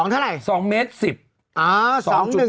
๒เท่าไหร่